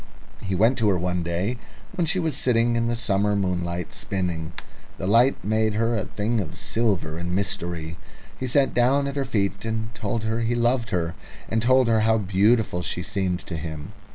He went to her one day when she was sitting in the summer moonlight spinning. The light made her a thing of silver and mystery. He sat down at her feet and told her he loved her, and told her how beautiful she seemed to him.